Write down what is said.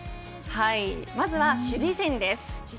まずは守備陣です。